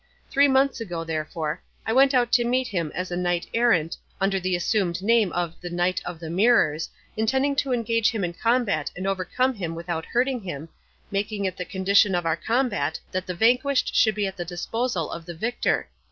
Three months ago, therefore, I went out to meet him as a knight errant, under the assumed name of the Knight of the Mirrors, intending to engage him in combat and overcome him without hurting him, making it the condition of our combat that the vanquished should be at the disposal of the victor.